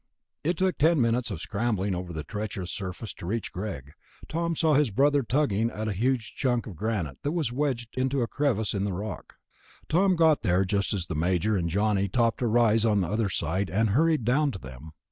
It took ten minutes of scrambling over the treacherous surface to reach Greg. Tom saw his brother tugging at a huge chunk of granite that was wedged into a crevice in the rock. Tom got there just as the Major and Johnny topped a rise on the other side and hurried down to them.